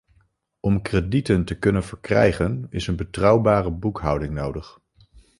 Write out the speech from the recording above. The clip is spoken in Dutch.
Om kredieten te kunnen verkrijgen is een betrouwbare boekhouding nodig.